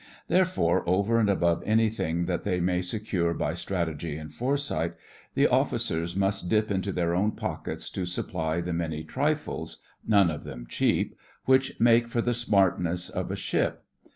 Therefore, over and above anything that they may secure by strategy and foresight, the officers must dip into their own pockets to supply the many trifles (none of them cheap) which make for the smartness of a ship.